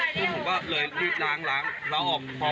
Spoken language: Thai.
ผมก็เลยรีบล้างแล้วพอเปิดประตูออกมา